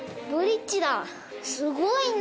すごいな！